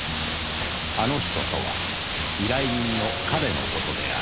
あの人とは依頼人の“彼”の事である